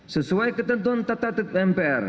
sesuai ketentuan tata tertib mpr